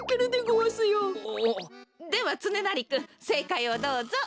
おおっではつねなりくんせいかいをどうぞ！